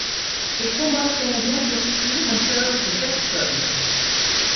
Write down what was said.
Ces combattants endurcis n'ont peur de personne...